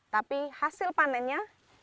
tapi hasil panennya